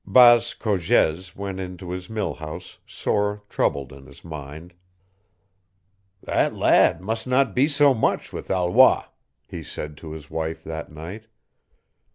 Baas Cogez went into his mill house sore troubled in his mind. "That lad must not be so much with Alois," he said to his wife that night.